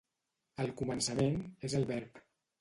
Al començament és el verb.